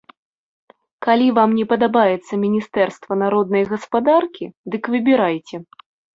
Калі вам не падабаецца міністэрства народнай гаспадаркі, дык выбірайце.